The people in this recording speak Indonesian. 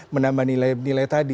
menambah nilai nilai tadi